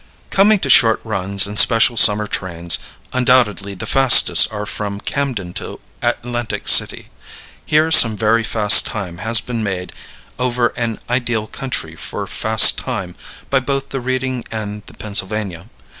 Coming to short runs and special summer trains, undoubtedly the fastest are from Camden to Atlantic City. Here some very fast time has been made over an ideal country for fast time by both the Reading and the Pennsylvania.